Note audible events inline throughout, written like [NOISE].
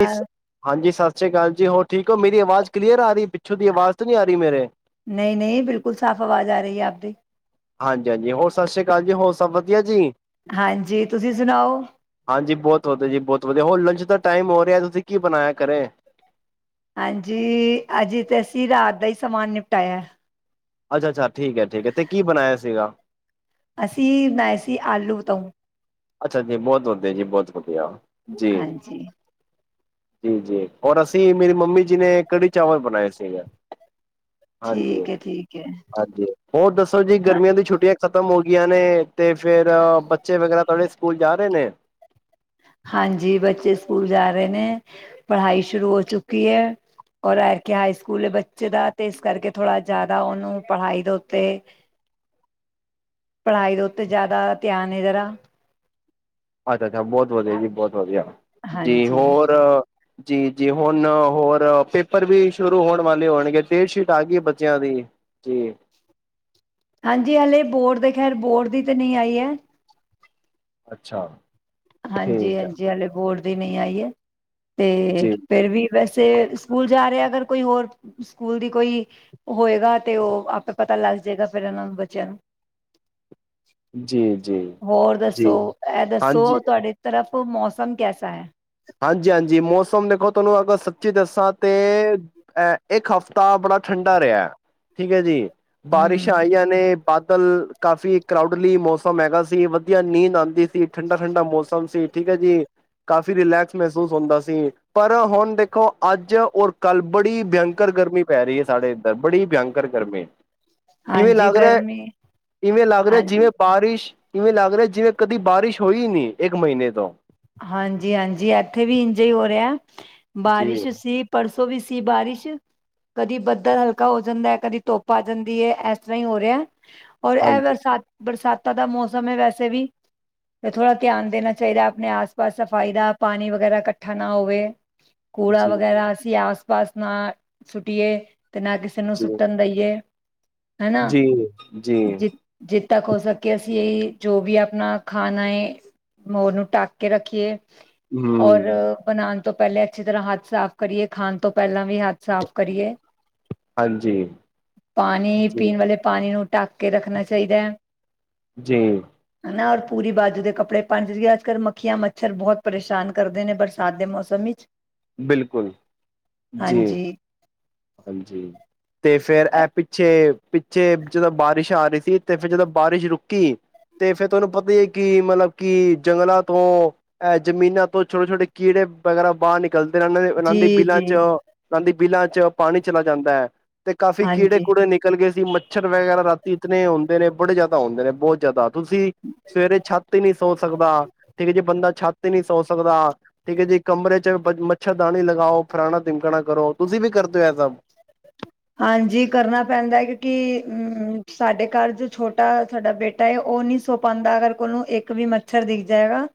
ਹਾਂ, ਹਾਂਜੀ ਸਤਿ ਸ੍ਰੀ ਅਕਾਲ ਜੀ ਹੋਰ ਠੀਕ ਓ, ਮੇਰੀ ਆਵਾਜ਼ ਕਲੀਅਰ ਆ ਰੀ, ਪਿੱਛੋਂ ਦੀ ਆਵਾਜ਼ ਤੇ ਨੀ ਆ ਰੀ ਮੇਰੇ। ਨਈ ਨਈ ਬਿਲਕੁਲ ਸਾਫ਼ ਆਵਾਜ਼ ਆ ਰਹੀ ਹੈ ਆਵਦੀ। ਹਾਂਜੀ -ਹਾਂਜੀ ਹੋਰ ਸਤਿ ਸ੍ਰੀ ਅਕਾਲ ਜੀ ਹੋਰ ਸਭ ਵਧੀਆ ਜੀ। ਹਾਂਜੀ ਤੁਸੀਂ ਸੁਣਾਓ। ਹਾਂਜੀ ਬੋਤ ਵਧੀਆ ਜੀ ਬੋਤ ਵਧੀਆ। ਹੋਰ ਲੰਚ ਦਾ ਟਾਈਮ ਹੋ ਰਿਆ। ਤੁਸੀਂ ਕੀ ਬਣਾਇਆ ਘਰੇ? ਹਾਂਜੀ ਅੱਜ ਤੇ ਅਸੀਂ ਰਾਤ ਦਾ ਈ ਸਮਾਨ ਨਿਪਟਾਇਆ। ਅੱਛਾ-ਅੱਛਾ, ਠੀਕ ਐ, ਠੀਕ ਐ ਤੇ ਕੀ ਬਣਾਇਆ ਸੀਗਾ? ਅਸੀਂ ਬਨਾਏ ਸੀ ਆਲੂ ਵਤਾਊ। ਅੱਛਾ ਜੀ, ਬਹੁਤ ਵਧੀਆ ਜੀ ਬਹੁਤ ਵਧੀਆ ਜੀ। ਹਾਂਜੀ ਜੀ-ਜੀ, ਔਰ ਅਸੀਂ ਮੇਰੀ ਮੰਮੀ ਜੀ ਨੇ ਕੜੀ ਚਾਵਲ ਬਨਾਏ ਸੀਗੇ। ਹਾਂਜੀ, ਠੀਕ ਹੈ ਠੀਕ ਹੈ ਹਾਜੀ। ਹੋਰ ਦੱਸੋ ਜੀ, ਹਾਂ ਗਰਮੀਆਂ ਦੀ ਛੁੱਟੀਆਂ ਖ਼ਤਮ ਹੋ ਗਈਆਂ ਨੇ ਤੇ ਫੇਰ ਬੱਚੇ ਵਗੈਰਾ ਤੁਆਡੇ ਸਕੂਲ ਜਾ ਰੇ ਨੇ? ਹਾਂਜੀ ਬੱਚੇ ਸਕੂਲ ਜਾ ਰੇ ਨੇ, ਪੜ੍ਹਾਈ ਸ਼ੁਰੂ ਹੋ ਚੁੱਕੀ ਐ। ਔਰ [UNINTELLIGIBLE] ਕੀ ਹਾਈ ਸਕੂਲ ਐ ਬੱਚੇ ਦਾ ਤੇ ਏਸ ਕਰਕੇ ਥੋੜ੍ਹਾ ਜਾਦਾ ਓਨੂੰ ਪੜ੍ਹਾਈ ਦੇ ਉੱਤੇ- ਪੜ੍ਹਾਈ ਦੇ ਉੱਤੇ ਜਾਦਾ ਧਿਆਨ ਏ ਜਰਾ। ਅੱਛਾ-ਅੱਛਾ, ਬੋਤ ਵਧੀਆ ਜੀ ਬੋਤ‌ ਵਧੀਆ, ਜੀ ਹਾਂਜੀ ਹੋਰ ਜੀ-ਜੀ ਹੁਨ ਹੋਰ ਪੇਪਰ ਵੀ ਸ਼ੁਰੂ ਹੋਣ ਵਾਲੇ ਹੋਣਗੇ, ਡੇਟਸ਼ੀਟ ਆ ਗੀ ਬੱਚਿਆਂ ਦੀ। ਜੀ। ਹਾਂਜੀ ਹਾਲੇ ਬੋਡ ਦੇ ਖੈਰ, ਬੋਡ ਦੀ ਤੇ ਨਈ ਆਈ ਐ। ਅੱਛਾ। ਠੀਕ ਹੈ ਹਾਂਜੀ-ਹਾਂਜੀ, ਹਲੇ ਬੋਡ ਦੀ ਨਈ ਆਈ ਐ ਤੇ ਜੀ ਫਿਰ ਵੀ ਵੈਸੇ ਸਕੂਲ ਜਾ ਰਿਆ ਅਗਰ ਕੋਈ ਹੋਰ ਸਕੂਲ ਦੀ ਕੋਈ ਹੋਏਗਾ ਤੇ ਓ ਆਪੇ ਪਤਾ ਲੱਗ ਜਾਏਗਾ ਫੇਰ ਏਨਾਂ ਨੂੰ ਬੱਚਿਆਂ ਨੂੰ। ਜੀ-ਜੀ। ਹੋਰ ਦੱਸੋ, ਐ ਦੱਸੋ ਤੁਆਡੇ ਤਰਫ ਮੌਸਮ ਕੈਸਾ ਐ? ਹਾਂਜੀ-ਹਾਂਜੀ ਮੌਸਮ ਦੇਖੋ ਤੁਆਨੂੰ ਅਗਰ ਸੱਚੀ ਦੱਸਾਂ ਤੇ ਅ ਇੱਕ ਹਫ਼ਤਾ ਬੜਾ ਠੰਡਾ ਰਿਆ, ਠੀਕ ਐ ਜੀ ਬਾਰਿਸ਼ ਹਮ ਆਈ ਐ। ਨੇ ਬਾਦਲ ਕਾਫ਼ੀ ਕਰਾਊਡਲੀ ਮੌਸਮ ਹੈਗਾ ਸੀ, ਵਧੀਆ ਨੀਂਦ ਆਂਦੀ ਸੀ। ਠੰਡਾ-ਠੰਡਾ ਮੌਸਮ ਸੀ ਠੀਕ ਐ ਜੀ। ਕਿ ਰਿਲੈਕਸ ਮਹਿਸੂਸ ਹੁੰਦਾ ਸੀ ਪਰ ਹੁਨ ਦੇਖੋ ਅੱਜ ਔਰ ਕੱਲ ਬੜੀ ਭਿਅੰਕਰ ਗਰਮੀ ਪੈ ਰਹੀ ਐ ਸਾਡੇ ਏਧਰ ਬੜੀ ਭਯੰਕਰ ਗਰਮੀ। ਇਵੇਂ ਹਾਂਜੀ ਲੱਗ ਰਿਹਾ, ਗਰਮੀ ਇਵੇਂ ਲੱਗ ਰਿਹਾ ਹਾਂਜੀ ਜਿਵੇਂ ਬਾਰਿਸ਼ ਇਵੇਂ ਲੱਗ ਰਿਹਾ ਜਿਵੇਂ ਕਦੀ ਬਾਰਿਸ਼ ਹੋਈ ਨੀ ਇੱਕ ਮਹੀਨੇ ਤੋਂ। ਹਾਂਜੀ-ਹਾਂਜੀ, ਏਥੇ ਵੀ ਇੰਜੇ ਹੋ ਰਿਹਾ ਜੀ ਬਾਰਿਸ਼ ਸੀ ਪਰਸੋਂ ਵੀ ਸੀ ਬਾਰਿਸ਼। ਕਦੀ ਬੱਦਲ ਹਲਕਾ ਹੋ ਜਾਂਦਾ ਐ, ਕਦੀ ਧੁੱਪ ਆ ਜਾਂਦੀ ਐ, ਇਸ ਤਰ੍ਹਾਂ ਹੀ ਹੋ ਰਿਹਾ। ਔਰ ਐ ਹਾਂਜੀ ਵਰਸਾਤ ਬਰਸਾਤਾਂ ਦਾ ਮੌਸਮ ਹੈ ਵੈਸੇ ਵੀ ਤੇ ਥੋੜਾ ਧਿਆਨ ਦੇਨਾ ਚਾਈਦਾ ਅਪਨੇ ਆਸ ਪਾਸ ਸਫ਼ਾਈ ਦਾ, ਪਾਨੀ ਵਗ਼ੈਰਾ ਕੱਠਾ ਨਾ ਹੋਵੇ, ਕੂੜਾ ਜੀ ਵਗੈਰਾ ਅਸੀਂ ਆਸ ਪਾਸ ਨਾ ਸੁੱਟੀਏ ਤੇ ਨਾ ਕਿਸੇ ਨੂੰ ਜੀ ਸੁੱਟਣ ਦਈਏ। ਹਨਾ ਜੀ, ਜੀ, ਜ ਜਿੱਦ ਤੱਕ ਹੋ ਸਕੇ ਅਸੀਂ ਇਹ ਜੋ ਵੀ ਅਪਨਾ ਖਾਣਾ ਏ, ਓ ਨੂੰ ਢੱਕ ਕੇ ਰੱਖੀਏ ਔਰ ਹੂੰ, ਬਨਾਨ ਤੋਂ ਪਹਿਲੇ ਅੱਛੀ ਤਰ੍ਹਾਂ ਹੱਥ ਸਾਫ਼ ਕਰੀਏ, ਖਾਨ ਤੋਂ ਪਹਿਲਾਂ ਵੀ ਹੱਥ ਸਾਫ਼ ਕਰੀਏ, ਹਾਂਜੀ, ਪਾਨੀ ਜੀ, ਪੀਨ ਵਾਲੇ ਪਾਨੀ ਨੂੰ ਢੱਕ ਕੇ ਰੱਖਣਾ ਚਾਈਦਾ ਐ। ਹੂੰ। ਹਨਾ ਔਰ ਪੂਰੀ ਬਾਜੂ ਦੇ ਕੱਪੜੇ [UNINTELLIGIBLE] ਅੱਜ-ਕੱਲ ਅੱਖੀਆਂ ਮੱਛਰ ਬਹੁਤ ਪਰੇਸ਼ਾਨ ਕਰਦੇ ਨੇ ਬਰਸਾਤ ਦੇ ਮੌਸਮ ਵਿੱਚ। ਬਿਲਕੁਲ, ਜੀ, ਹਾਂਜੀ ਹਾਂਜੀ ਤੇ ਫਿਰ ਇਹ ਪਿੱਛੇ ਪਿੱਛੇ ਜਦੋਂ ਬਾਰਿਸ਼ ਆ ਰਹੀ ਸੀ ਤੇ ਫਿਰ ਜਦੋਂ ਬਾਰਿਸ਼ ਰੁਕੀ। ਤੇ ਫਿਰ ਤੁਹਾਨੂੰ ਪਤਾ ਹੀ ਹੈ ਕਿ ਮਤਲਬ ਕਿ ਜੰਗਲਾਂ ਤੋਂ ਇਹ ਜ਼ਮੀਨਾਂ ਤੋਂ ਛੋਟੇ ਛੋਟੇ ਕੀੜੇ ਵਗੈਰਾ ਬਾਹਰ ਨਿਕਲ ਉਹਨਾਂ ਦੀ ਜੀ ਬਿੱਲਾਂ ਚ ਜੀ ਉਹਨਾਂ ਦੀ ਬਿੱਲਾਂ ਚ ਪਾਣੀ ਚਲਾ ਜਾਂਦਾ ਹੈ। ਤੇ ਕਾਫ਼ੀ ਕੀੜੇ ਹਾਂਜੀ ਕੂੜੇ ਨਿਕਲ ਗਏ ਸੀ। ਮੱਛਰ ਵਗੈਰਾ ਰਾਤੀ ਇਤਨੇ ਹੁੰਦੇ ਨੇ ਬੜੇ ਜ਼ਿਆਦਾ ਹੁੰਦੇ ਨੇ ਬਹੁਤ ਜ਼ਿਆਦਾ। ਤੁਸੀਂ ਸਵੇਰੇ ਛੱਤ ਤੇ ਨਹੀਂ ਸੌ ਸਕਦਾ। ਠੀਕ ਹੈ ਜੇ, ਬੰਦਾ ਛੱਤ ਤੇ ਨੀ ਸੌਂ ਸਕਦਾ। ਠੀਕ ਹੈ ਜੀ। ਕਮਰੇ 'ਚ ਬ ਮੱਛਰਦਾਣੀ ਲਗਾਓ ਫਲਾਣਾ ਟਿਮਕਾਣਾ ਕਰੋ। ਤੁਸੀਂ ਵੀ ਕਰਦੇ ਹੋ ਇਹ ਸਭ ਹਾਂਜੀ ਕਰਨਾ ਪੈਂਦਾ ਹੈ ਕਿਉਂਕਿ ਅਮ ਸਾਡੇ ਘਰ ਜੋ ਛੋਟਾ ਸਾਡਾ ਬੇਟਾ ਨਾ ਉਹ ਨਹੀਂ ਸੋ ਪਾਉਂਦਾ ਅਗਰ ਉਹਨੂੰ ਇੱਕ ਵੀ ਮੱਛਰ ਦਿਖ ਜਾਏਗਾ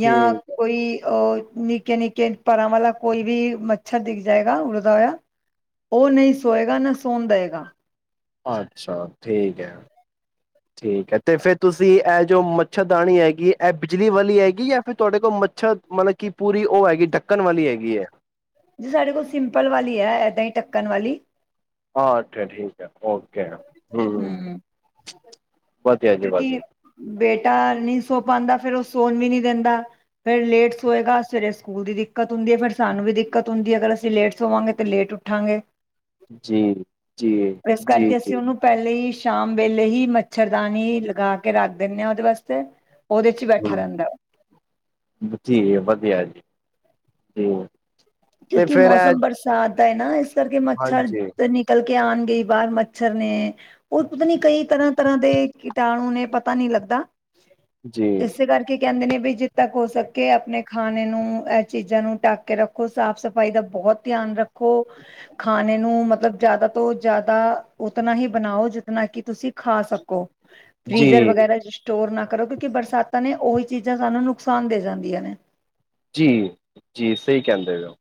ਜਾਂ ਠੀਕ ਕੋਈ ਅ ਨਿੱਕੇ ਨਿੱਕੇ ਪਰਾਂ ਵਾਲਾ ਕੋਈ ਵੀ ਮੱਛਰ ਦਿਖ ਜਾਏਗਾ ਉੜਦਾ ਹੋਇਆ ਉਹ ਨਹੀਂ ਸੋਏਗਾ ਨਾ ਸੋਣ ਦੇਵੇਗਾ। ਅੱਛਾ ਠੀਕ ਹੈ। ਹ ਠੀਕ ਹੈ ਤੇ ਫਿਰ ਤੁਸੀਂ ਇਹ ਜੋ ਮੱਛਰਦਾਣੀ ਹੈਗੀ ਇਹ ਬਿਜਲੀ ਵਾਲੀ ਹੈਗੀ ਜਾਂ ਫਿਰ ਤੁਹਾਡੇ ਕੋਲ ਮੱਛਰ ਮਤਲਬ ਕਿ ਪੂਰੀ ਉਹ ਹੈਗੀ ਢੱਕਣ ਵਾਲੀ ਹੈਗੀ ਹੈ ਜੀ ਸਾਡੇ ਕੋਲ ਸਿੰਪਲ ਵਾਲੀ ਹੈ ਏਦਾਂ ਹੀ ਢੱਕਣ ਵਾਲੀ। ਹਾਂ ਅੱਛਾ ਠੀਕ ਹੈ, ਓਕੇ ਹਮ ਵਧੀਆ ਜੀ ਕਿਉਂਕਿ ਵਧੀਆ। ਬੇਟਾ ਨਹੀਂ ਸੋ ਪਾਉਂਦਾ ਫਿਰ ਉਹ ਸੌਣ ਵੀ ਨਹੀਂ ਦਿੰਦਾ। ਫਿਰ ਲੇਟ ਸੋਏ ਗਾ ਸਵੇਰੇ ਸਕੂਲ ਦੀ ਦਿੱਕਤ ਹੁੰਦੀ ਹੈ ਫਿਰ ਸਾਨੂੰ ਵੀ ਦਿੱਕਤ ਹੁੰਦੀ ਹੈ ਅਗਰ ਅਸੀਂ ਲੇਟ ਸੋਵਾਗੇ ਤਾਂ ਲੇਟ ਠਾਂਗੇ ਜੀ ਜੀ ਜੀ ਕਰਕੇ ਜੀ ਅਸੀਂ ਉਹਨੂੰ ਪਹਿਲੇ ਹੀ ਸ਼ਾਮ ਵੇਲੇ ਹੀ ਮੱਛਰਦਾਨ ਲਗਾ ਕੇ ਰੱਖ ਦਿੰਦੇ ਹਾਂ ਉਹਦੇ ਵਾਸਤੇ ਉਹਦੇ ਚ ਹੀ ਬੈਠਾ ਹਮ ਰਹਿੰਦਾ ਜੀ ਵਧੀਆ ਜੀ ਜੀ ਤੇ ਕਿਉਂਕਿ ਫਿਰ ਇਹ ਮੌਸਮ ਬਰਸਾਤ ਦਾ ਹੈ ਨਾ ਇਸ ਕਰਕੇ ਹਾਂਜੀ ਮੱਛਰਦਾਨੀ ਚਲ ਕੇ ਆਉਣ ਗਈ ਬਾਹਰ ਮੱਛਰ ਨੇ ਉਹ ਪਤਾ ਨੀ ਕਈ ਤਰ੍ਹਾਂ ਤਰ੍ਹਾਂ ਦੇ ਕੀਟਾਣੂ ਨੇ, ਪਤਾ ਨਹੀਂ ਲੱਗਦਾ ਜੀ ਇਸੇ ਕਰਕੇ। ਕਹਿੰਦੇ ਨੇ ਵੀ ਜਿੱਦਾਂ ਤੱਕ ਹੋ ਸਕੇ ਆਪਣੇ ਖਾਣੇ ਨੂੰ ਇਹ ਚੀਜ਼ਾਂ ਨੂੰ ਟਢੱਕ ਕੇ ਰੱਖੋ ਸਾਫ਼ ਸਫ਼ਾਈ ਦਾ ਬਹੁਤ ਧਿਆਨ ਰੱਖੋ। ਖਾਣੇ ਨੂੰ ਮਤਲਬ ਜ਼ਿਆਦਾ ਤੋਂ ਜ਼ਿਆਦਾ ਉਤਨਾ ਹੀ ਬਣਾਓ ਜਿਤਨਾ ਕਿ ਤੁਸੀਂ ਖਾ ਸਕੋ। ਫ੍ਰੀਜ਼ਰ ਜੀ ਵਗੈਰਾ ਸਟੋਰ ਨਾ ਕਰੋ, ੱੱਕਿਉਂਕਿ ਬਰਸਾਤਾਂ ਨੇ ਉਹੀ ਚੀਜ਼ਾਂ ਸਾਨੂੰ ਨੁਕਸਾਨ ਦੇ ਜਾਂਦੀਆਂ ਨੇ। ਜੀ, ਜੀ, ਸਹੀ ਕਹਿੰਦੇ ਹੋ।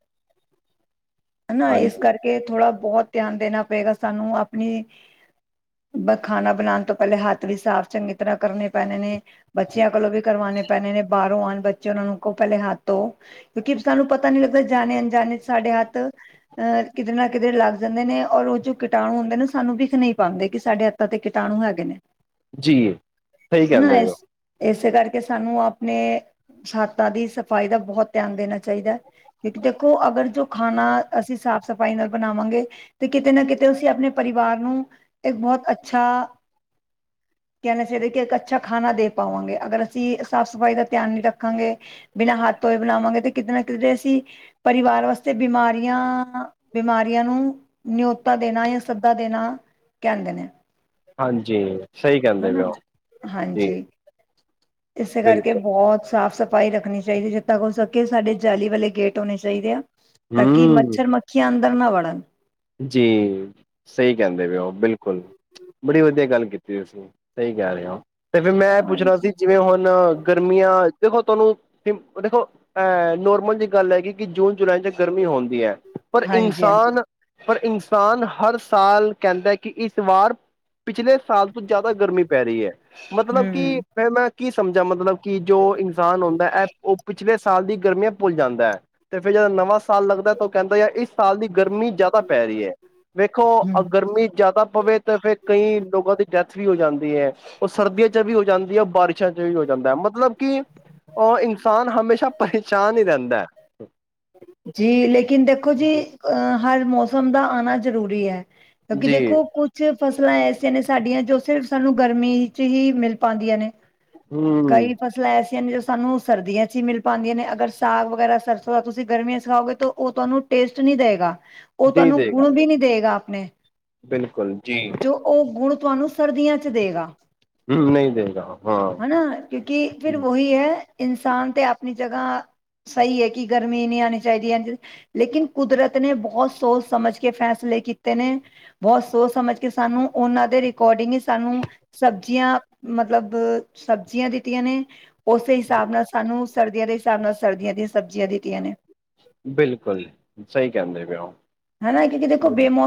ਹਨਾ ਇਸ ਹਾਂਜੀ ਕਰਕੇ ਥੋੜ੍ਹਾ ਬਹੁਤ ਧਿਆਨ ਦੇਣਾ ਪਏਗਾ ਸਾਨੂੰ ਆਪਣੀ ਖਾਣਾ ਬਣਾਉਣ ਤੋਂ ਪਹਿਲੇ ਹੱਥ ਵੀ ਸਾਫ਼ ਚੰਗੀ ਤਰ੍ਹਾਂ ਕਰਨੇ ਪੈਣੇ ਨੇ। ਬੱਚਿਆਂ ਕੋਲੋਂ ਵੀ ਕਰਵਾਣੇ ਪੈਣੇ ਨੇ ਬਾਹਰੋਂ ਆਉਣ ਬੱਚੇ ਉਹਨਾਂ ਨੂੰ ਕਹੋ ਪਹਿਲੇ ਹੱਥ ਧੋਵੋ ਤੋਂ ਕਿਉਂਕਿ ਸਾਨੂੰ ਪਤਾ ਨੀ ਲੱਗਦਾ ਜਾਣੇ ਅਣਜਾਣੇ ਚ ਸਾਡੇ ਹੱਥ [INAUDIBLE] ਅਹ ਕਿਤੇ ਨਾ ਕਿਤੇ ਲੱਗ ਜਾਂਦੇ ਨੇ, ਔਰ ਉਹ ਜੋ ਕੀਟਾਣੂ ਹੁੰਦੇ ਨੇ ਸਾਨੂੰ ਵਿਖ ਨਹੀਂ ਪਾਉਂਦੇ ਕਿ ਸਾਡੇ ਹੱਥ ਤੇ ਕੀਟਾਣੂ ਹੈਗੇ ਨੇ ਜੀ ਸਹੀ ਹਨਾ ਕਹਿੰਦੇ ਪਏ ਹੋ ਇਸ ਇਸੇ ਕਰਕੇ ਸਾਨੂੰ ਆਪਣੇ ਛੱਤਾਂ ਦੀ ਸਫ਼ਾਈ ਦਾ ਬਹੁਤ ਧਿਆਨ ਦੇਣਾ ਚਾਹੀਦਾ। ਕਿਉਕਿ ਦੇਖੋ ਅਗਰ ਜੋ ਖਾਣਾ ਅਸੀਂ, ਸਾਫ਼ ਸਫ਼ਾਈ ਨਾਲ ਬਣਾਵਾਂਗੇ, ਤੇ ਕਿਤੇ -ਨਾ ਕਿਤੇ ਅਸੀਂ ਆਪਣੇ ਪਰਿਵਾਰ ਨੂੰ ਇੱਕ ਬਹੁਤ ਅੱਛਾ ਕਹਿਣਾ ਚਾਹੀਦਾ ਕਿ ਇੱਕ ਅੱਛਾ ਖਾਣਾ ਦੇ ਪਾਵਾਂਗੇ, ਅਗਰ ਅਸੀਂ ਸਾਫ਼ ਸਫ਼ਾਈ ਦਾ, ਧਿਆਨ ਨਹੀਂ ਰੱਖਾਂਗੇ ਬਿਨਾਂ ਹੱਥ ਧੋਏ ਬਣਾਵਾਂਗੇ ਤੇ, ਕਿਤੇ ਨਾ ਕਿਤੇ ਅਸੀਂ ਪਰਿਵਾਰ ਵਾਸਤੇ ਬਿਮਾਰ ਨਵੀਆਂ ਬਿਮਾਰੀਆਂ ਨੂੰ, ਨਿਉਤਾ ਦੇਣਾ ਜਾਂ ਸੱਦਾ ਦੇਣਾ ਕਹਿੰਦੇ ਨੇ, ਹਾਂਜੀ, ਸਹੀ ਕਹਿੰਦੇ ਪਏ ਹਨਾ ਉਹ ਜੀ। ਹਾਂਜੀ ਇਸੇ ਕਰਕੇ, ਬਿਲਕੁਲ ਬਹੁਤ ਸਾਫ਼ ਸਫ਼ਾਈ ਸਫਾਈ ਰੱਖਣੀ ਚਾਹੀਦੀ, ਜੱਦ ਤੱਕ ਹੋ ਸਕੇ ਸਾਡੇ ਜਾਲੀ ਵਾਲੇ ਗੇਟ, ਹੋਣੇ ਚਾਹੀਦੇ ਆ ਤਾਂ ਕਿ, ਹਮ ਮੱਛਰ ਮੱਖੀਆਂ ਅੰਦਰ ਨਾ ਵੜਨ। ਜੀ, ਸਹੀ ਕਹਿੰਦੇ ਪਏ ਹੋ, ਬਿਲਕੁਲ ਬੜੀ ਵਧੀਆ ਗੱਲ ਕੀਤੀ ਤੁਸੀਂ, ਸਹੀ ਕਹਿ ਰਹੇ ਹੋ, ਤੇ ਫਿਰ ਮੈਂ ਇਹ ਪੁੱਛਣਾ ਸੀ ਹਾਂਜੀ ਜਿਵੇਂ ਹੁਣ ਨਾ, ਗਰਮੀਆਂ ਦੇਖੋ ਤੁਹਾਨੂੰ ਦੇਖੋ ਅਹ, ਨੋਰਮਲ ਜਿਹੀ ਗੱਲ ਹੈਗੀ ਕਿ, ਜੂਨ ਜੁਲਾਈ ਚ ਗਰਮੀ ਹੁੰਦੀ ਹੁੰਦੀ ਹੈ ਪਰ ਹਾਂਜੀ ਹਾਂਜੀ ਇਨਸਾਨ ਪਰ ਇਨਸਾਨ, ਹਰ ਸਾਲ ਕਹਿੰਦਾ ਕਿ ਇਸ ਵਾਰ ਪਿਛਲੇ ਸਾਲ ਤੋਂ, ਜ਼ਿਆਦਾ ਗਰਮੀ ਪੈ ਰਹੀ ਹੈ, ਮਤਲਬ ਕਿ ਹਮ ਫਿਰ ਮੈਂ ਕੀ ਸਮਝਾ ਮਤਲਬ ਕਿ, ਜੋ ਇਨਸਾਨ ਹੁੰਦਾ ਹੈ, ਉਹ ਪਿਛਲੇ ਸਾਲ, ਦੀ ਗਰਮੀਆਂ ਭੁੱਲ ਜਾਂਦਾ ਹੈ ਤੇ ਫੇਿਰ ਜਦੋਂ, ਨਵਾਂ ਸਾਲ ਲੱਗਦਾ ਤਾਂ ਉਹ ਕਹਿੰਦਾ, ਜਾ ਇਸ ਸਾਲ ਦੀ ਗਰਮੀ ਜਿਆਦਾ ਪਰ ਪੈ ਰਹੀ ਹੈ, ਵੇਖੋ ਹਮ ਗਰਮੀ ਜ਼ਿਆਦਾ ਪਵੇ ਤੇ ਫੇਰ ਕਈ ਲੋਕਾਂ ਦੀ, ਡੈਥ ਵੀ ਹੋ ਜਾਂਦੀ ਹੈ ਉਹ ਸਰਦੀਆਂ ਚ ਵੀ ਹੋ ਜਾਂਦੀ ਹੈ, ਬਾਰਿਸ਼ਾਂ ਚ ਵੀ, ਹੋ ਜਾਂਦਾ ਹੈ ਮਤਲਬ ਕਿ ਉਹ ਇਨਸਾਨ ਹਮੇਸ਼ਾ, ਪਰੇਸ਼ਾਨ ਹੀ ਰਹਿੰਦਾ। ਜੀ ਲੇਕਿਨ ਦੇਖੋ ਜੀ, ਅਹ ਹਰ ਮੌਸਮ ਦਾ ਆਣਾ ਜ਼ਰੂਰੀ ਹੈ ਹੈ ਬਾਕੀ ਜੀ ਦੇਖੋ ਕਿ, ਜੋ ਫ਼ਸਲਾਂ ਐਸੀਆਂ ਨੇ ਸਾਡੀਆਂ, ਜੋ ਸਿਰਫ ਸਾਨੂੰ ਗਰਮੀ ਚ ਹੀ ਮਿਲ ਪਾਦੀਆਂ ਨੇ, ਹਮ ਕਈ ਫਸਲਾ ਜੋ ਐਸੀਆਂ ਨੇ, ਜੋ ਸਾਨੂੰ ਸਰਦੀਆਂ ਚ ਹੀ ਮਿਲ ਪਾਉਂਦੀਆਂ ਨੇ, ਅਗਰ ਸਾਗ ਵਗੈਰਾ ਸਰਸੋਂ ਦਾ ਤੁਸੀਂ ਗਰਮੀਆਂ, ਸਿਖਾਓਗੇ ਤਾਂ ਉਹ ਤੁਹਾਨੂੰ ਟੇਸਟ ਨਹੀਂ ਦੇਵੇਗਾ, ਉਹ ਨਹੀਂ ਤੁਹਾਨੂੰ ਗੁਣ ਦੇਗਾ ਵੀ ਨਹੀਂ ਦੇਵੇਗਾ, ਆਪਣੇ ਬਿਲਕੁਲ ਜੀ ਜੋ ਉਹ ਗੁਣ, ਤੁਹਾਨੂੰ ਸਰਦੀਆਂ ਚ ਦੇਗਾ ਹਮ ਨਹੀਂ ਦੇਗਾ ਹਾਂ ਹਨਾ ਕਿਉਂਕਿ ਫਿਰ ਉਹੀ ਹੈ, ਇਨਸਾਨ ਤੇ ਆਪਣੀ ਜਗ੍ਹਾ ਸਹੀ ਹੈ ਕਿ, ਗਰਮੀ ਨਹੀਂ ਆਉਣੀ ਚਾਹੀਦੀ ਆ ਲੇਕਿਨ, ਕੁਦਰਤ ਨੇ ਬਹੁਤ ਸੋਚ ਸਮਝ ਕੇ, ਫੈਸਲੇ ਕੀਤੇ ਨੇ ਬਹੁਤ ਸੋਚ ਸਮਝ ਕੇ, ਸਾਨੂੰ ਉਹਨਾਂ ਦੇ ਰਿਕੋਡਿੰਗ ਤਾਨੂੰ ਸਬਜ਼ੀਆਂ ਮਤਲਬ, ਸਬਜ਼ੀਆਂ ਦਿੱਤੀਆਂ ਨੇ, ਉਸੇ ਹਿਸਾਬ ਨਾਲ, ਸਾਨੂੰ ਸਰਦੀਆਂ ਦੇ ਹਿਸਾਬ ਨਾਲ, ਸਰਦੀਆਂ ਦੀਆਂ ਸਬਜ਼ੀਆਂ ਦਿੱਤੀਆਂ ਨੇ, ਬਿਲਕੁਲ, ਸਹੀ ਕਹਿੰਦੇ ਪਏ ਉਹ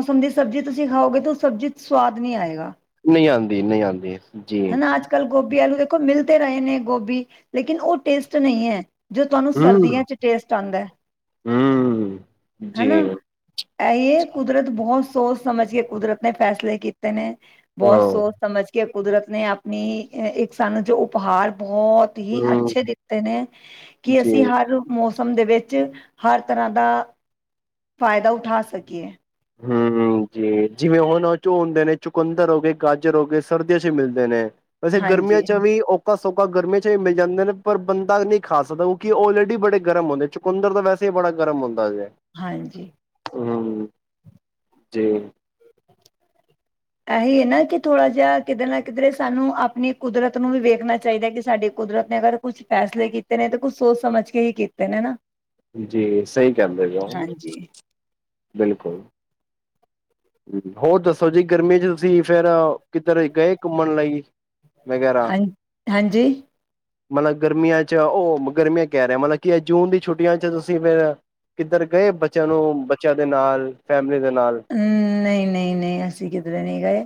ਹੁਣ ਜੇ ਸਬਜ਼ੀ ਤੁਸੀ ਖਾਓਗੇ ਸਬਜ਼ੀ ਤੇ, ਉਹ ਸਬਜ਼ੀ 'ਚ ਸੁਵਾਦ ਨੀ ਆਏਗਾ ਨਈ ਆਦੀ- ਨਈ ਆਦੀ ਜੀ ਕੱਲ ਗੋਭੀ ਆਲੂ ਦੇਖੋਂ, ਮਿਲਦੇ ਰਹੇ ਨੇ ਗੋਭੀ, ਲੇਕਿਨ, ਉਹ ਟੇਸਟ ਨਹੀਂ ਐ ਜੋ ਤੁਹਾਨੂੰ, ਹਮ ਸਰਦੀਆਂ 'ਚ ਟੇਸਟ ਆਂਦਾ, ਐ ਹਮ ਹਨਾ। ਜੀ ਇਏ ਐ, ਕੁਦਰਤ ਬਹੁਤ ਸੋਚ ਸਮਝ ਕੇ, ਕੁਦਰਤ ਨੇ, ਫੈਸਲੇ ਕੀਤੇ ਨੇ, ਬਹੁਤ ਹਾਂ ਸੋਚ ਸਮਝ ਕੇ ਕੁਦਰਤ ਨੇ ਆਪਣੀ, ਇੱਕ ਸਾਨੂੰ ਜੋ ਉਪਹਾਰ ਬਹੁਤ ਹੀ ਹਮ ਅੱਛੇ ਦਿੱਤੇ ਨੇ, ਕਿ ਜੀ ਅਸੀਂ ਹਰ ਮੌ ਸਮਯ ਦੇ ਵਿੱਚ ਹਰ ਤਰ੍ਹਾਂ ਦਾ ਫਾਇਦਾ ਉਠਾ ਸਕੀਏ। ਹੂ ਹੂ ਜੀ, ਜਿਵੇਂ ਹੁਣ ਉਹ ਝੋ ਹੰਦੇ ਨੇ ਚੁਕੁੰਦਰ ਹੋ ਗਏ, ਗਾਜਰ ਹੋ ਗਏ ਸਰਦੀਆਂ ਚ ਮਿਲਦੇ ਨੇ। ਵੈਸੇ ਗਰਮੀਆਂ ਹਾਂਜੀ ਚ ਵੀ ਔ ਖਾ ਸੋਕਾ ਗਰਮੀ 'ਚ ਵੀ ਮਿਲ ਜਾਂਦੇ ਨੇ, ਪਰ ਬੰਦਾ ਨਈ ਖਾ ਸਕਦਾ, ਉਹ ਕਿ ਊਲਰੇਡੀ ਬੜੇ ਗਰਮ ਹੁੰਦੇ, ਚੁ ਚੂਕੁੰਦਰ ਤਾਂ ਵੈਸੇ ਹੀ ਬੜਾ ਗਰਮ ਹੁੰਦਾ ਜੇ। ਹਾਂਜੀ। ਹੂ ਜੀ। ਇਹੀ ਐ ਨਾ, ਕਿ ਥੋੜ੍ਹਾ ਜਿਹਾ ਕਿਧਰ ਨਾ ਕਿਧਰੇ ਸਾਨੂੰ ਆਪਣੀ ਕੁਦਰਤ ਨੂੰ ਵੀ ਵੇਖਣਾ ਚਾਹੀਦਾ, ਕਿ ਸਾਡੀ ਕੁਦਰਤ ਨੇ ਅਗਰ ਕੁਛ ਫੈਸਲੇ ਕੀਤੇ ਨੇ, ਤੇ ਕੁੱਛ ਸੋਚ ਸਮਝ ਕੇ ਹੀ ਕੀਤੇ ਨੇ ਨਾ। ਜੀ ਸਹੀ ਕਹਿਦੇ ਜੇ ਔ। ਹਾਂਜੀ ਬਿਲਕੁਲ। ਹੋਰ ਦੱਸੋਂ ਜੀ, ਗਰਮੀ 'ਚ ਤੁਸੀਂ ਫੇਰ ਕਿੱਧਰ ਗਏ ਘੁੰਮਣ ਲਈ? ਵਗੈਰਾ। ਹਾਂ ਹਾਂਜੀ ਮਤਲਬ ਗਰਮੀਆਂ 'ਚ ਊ ਗਰਮੀਆਂ ਕਹਿ ਰਿਹਾ, ਮਤਲਬ ਕੀ ਜੂਨ ਦੀ ਛੁੱਟੀਆਂ 'ਚ ਤੁਸੀਂ ਫੇਰ ਕਿੱਧਰ ਗਏ ਮ, ਬੱਚਿਆਂ ਨੂੰ ਬੱਚਿਆਂ ਦੇ ਨਾਲ ਫੈਮਲੀ ਦੇ ਨਾਲ। ਨਨ ਨਈ ਨਈ ਨਈ, ਅਸੀਂ ਕਿਧਰੇ ਨਹੀਂ ਗਏ,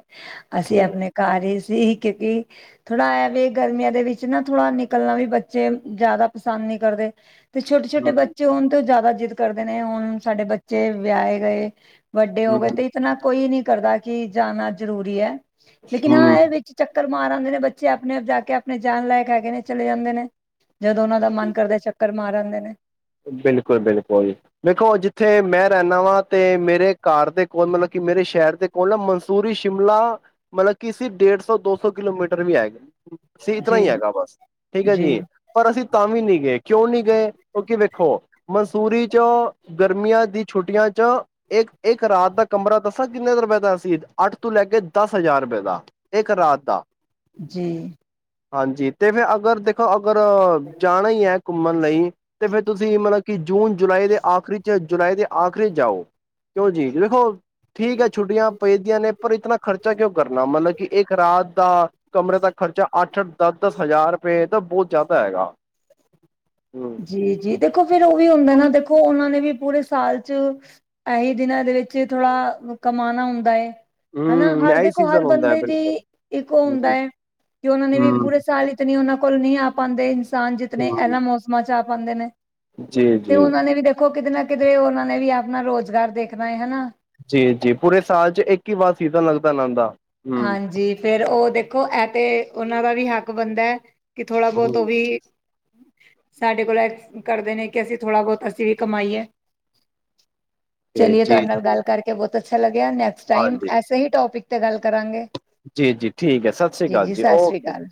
ਅਸੀਂ ਠੀਕ ਐ। ਆਪਣੇ ਘਰ ਹੀ ਸੀ ਕਿਉਂਕਿ ਥੋੜ੍ਹਾ ਇਹ ਵੇ ਗਰਮੀਆਂ ਦੇ ਵਿੱਚ ਨਾ ਥੋੜਾ ਨਿਕਲਣਾ ਵੀ ਬੱਚੇ ਜ਼ਿਆਦਾ ਪਸੰਦ ਨੀ ਕਰਦੇ। ਤੇ ਛੋਟੇ ਛੋਟੇ ਬੱਚੇ ਹੋਣ ਤੋ ਔ ਜ਼ਿਆਦਾ ਜਿੱਦ ਕਰਦੇ ਨੇ, ਹੁਣ ਸਾਡੇ ਬੱਚੇ ਵਿਆਹੇ ਗਏ। ਵੱਡੇ ਹੋ ਗਏ ਤੇ ਇਤਨਾ ਕੋਈ ਨੀ ਕਰਦਾ, ਕਿ ਜਾਣਾ ਜ਼ਰੂਰੀ ਐ, ਲੇਕਿਨ ਹਾਂ ਇਹ ਵ ਚ ਚੱਕਰ ਮਾਰ ਆਦੇ ਨੇ ਬੱਚੇ ਆਪਣੇ ਆਪ ਜਾ ਕੇ ਆਪਣੇ, ਜਾਨ ਲਾਇਕ ਹੈਗੇ ਨੇ ਚਲੇ ਜਾਂਦੇ ਨੇ। ਜਦੋਂ ਉਹਨਾਂ ਦਾ ਮਨ ਕਰਦੇ ਚੱਕਰ ਮਾਰ ਆਦੇ ਨੇ। ਬਿਲਕੁਲ ਬਿਲਕੁਲ। ਦੇੇਖੋ, ਜਿੱਥੇ ਮੈਂ ਰਹਿੰਦਾ ਵਾਂ ਤੇ ਮੇਰੇ ਘਾਰ ਦੇ ਕੋਲ ਮਤਲਬ ਕਿ ਮੇਰੇ ਸ਼ਹਿਰ ਦੇ ਕੋਲ ਨਾ ਮਸੂਰੀ ਸ਼ਿਮਲਾ ਮਤਲਬ ਕਿ ਸੀ, ਡੇਢ ਸੌ ਦੋ ਸੌ ਕਿਲੋਮੀਟਰ ਵੀ ਆ ਸੀ, ਇਤਨਾ ਜੀ, ਹੀ ਹੈਗਾ ਬਸ, ਠੀਕ ਐ ਜੀ, ਪਰ ਅਸੀਂ ਤਾਂ ਵੀ ਨੀ ਗਏ, ਕਿਉਂ ਨੀ ਗਏ ਕਿਉਂਕਿ ਵੇਖੋ, ਮਨਸੂਰੀ 'ਚ ਗਰਮੀਆਂ ਦੀ ਛੁੱਟੀਆਂ 'ਚ ਇੱਕ ਇੱਕ ਰਾਤ ਦਾ ਕਮਰਾ ਦੱਸਾਂ ਕਿੰਨੇ ਰੁਪਏ ਦਾ ਸੀ, ਅੱਠ ਤੋਂ ਲੈ ਕੇ ਦਸ ਹਜ਼ਾਰ ਰੁਪਏ ਦਾ। ਇੱਕ ਰਾਤ ਦਾ। ਜੀ। ਹਾਂਜੀ, ਤੇ ਫਿਰ ਅਗਰ ਦੇਖੋਂ ਅਗਰ ਜਾਣਾ ਹੀ ਐ ਘੁੰਮਣ ਲਈ ਤੇ ਫੇਰ ਤੁਸੀਂ ਮਤਲਬ ਕਿ ਜੂਨ ਜੁਲਾਈ ਦੇ ਆਖਰੀ 'ਚ ਜੁਲਾਈ ਦੇ ਆਖਰੀ ਚ' ਜਾਓ। ਕਿਉਂ ਜੀ, ਵੇਖੋ ਠੀਕ ਐ, ਛੁੱਟੀਆਂ ਪੇਦੀਆਂ ਨੇ ਪਰ ਇਤਨਾ ਖਰਚਾ ਕਿਉਂ ਕਰਨਾ, ਮਤਲਬ ਕਿ ਇੱਕ ਰਾਤ ਦਾ ਕਮਰੇ ਦਾ ਖਰਚਾ ਅੱਠ ਅਠ, ਦਸ ਦਸ ਹਜ਼ਾਰ ਰੁਪਏ ਤਾਂ ਬਹੁਤ ਜ਼ਿਆਦਾ ਹੈਗਾ, ਹੂੰ। ਜੀ ਜੀ ਦੇਖੋਂ ਫਿਰ ਉਹ ਵੀ ਹੁੰਦਾ ਨਾ ਦੇਖੋਂ, ਉਹਨਾਂ ਨੇ ਵੀ ਪੂਰੇ ਸਾਲ ਚ ਏਹੀ ਦਿਨਾਂ ਦੇ ਵਿੱਚ ਥੋੜਾ ਕਾਮਣਾ ਹੁੰਦਾ ਐ। ਹੈਨਾ, ਹਮ ਹਰ ਇਹੀ ਦੇਖੋਂ ਹਰ ਸੀਜ਼ਨ ਹੁੰਦਾ ਹੈ ਬੰਦੇ ਦੀ ਬਿਲਕੁਲ ਇੱਕੋ ਹੁੰਦਾ ਹਮ ਐ, ਕਿ ਉਹਨਾਂ ਨੇ ਵੀ ਹਮ ਪੂਰੇ ਸਾਲ ਇਤਨੇ ਉਹਨਾਂ ਕੋਲ ਨਈ ਆ ਪਾਉਂਦੇ ਇਨਸਾਨ, ਜਿਤਨੇ ਹਮ ਇਹਨਾਂ ਮੌਸਮਾਂ 'ਚ ਆ ਪਾਉਂਦੇ ਨੇ। ਜੀ ਤੇ ਜੀ ਉਹਨਾਂ ਨੇ ਵੀ ਦੇਖੋਂ, ਕਿਧਰੇ ਨਾ ਕਿਧਰੇ ਉਹਨਾਂ ਨੇ ਵੀ ਆਪਣਾ ਰੁਜ਼ਗਾਰ ਦੇਖਣਾ ਐ ਹਨਾ। ਜੀ ਜੀ, ਪੂਰੇ ਸਾਲ 'ਚ ਇੱਕ ਹੀ ਵਾਰ ਸੀਜਨ ਲੱਗਦਾ ਇਹਨਾਂ ਦਾ। ਹਮ ਹਾਂਜੀ, ਫੇਰ ਉਹ ਦੇਖੋਂ ਐ ਤੇ ਉਹਨਾਂ ਦਾ ਵੀ ਹੱਕ ਬਨਦਾ। ਕਿ ਥੋੜਾ ਬਹੁਤ ਉਹ ਹਮ ਵੀ ਸਾਡੇ ਕੋਲ ਕਰਦੇ ਨੇ ਕਿ ਅਸੀਂ ਥੋੜ੍ਹਾ ਬਹੁਤ ਅਸੀਂ ਵੀ ਕਮਾਈ ਹੈ ਤੇ ਚਲੀਏ ਜੀ ਤੁਹਾਡੇ ਨਾਲ ਗੱਲ ਕਰਕੇ ਬਹੁਤ ਅੱਛਾ ਲੱਗਿਆ ਨੈਕਸਟ ਟਾਈਮ ਹਾਂਜੀ ਐਸੇ ਹੀ ਟੋਪਿਕ ਤੇ ਗੱਲ ਕਰਾਂਗੇ ਜੀ ਜੀ ਠੀਕ ਹੈ ਸਤਿ ਸ਼੍ਰੀ ਅਕਾਲ ਜੀ ਸਤਿ ਸ਼੍ਰੀ ਓਕੇ ਅਕਾਲ